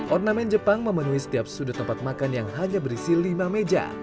ornamen jepang memenuhi setiap sudut tempat makan yang hanya berisi lima meja